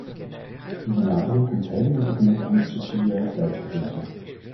Die benadering komt helemaal tegemoet aan het subsidiariteitsbeginsel.